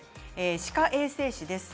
歯科衛生士です。